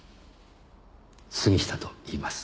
杉下といいます。